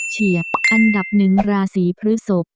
เฉียบอันดับ๑ราศีพฤศพ